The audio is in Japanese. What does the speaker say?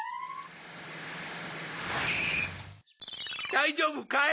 だいじょうぶかい？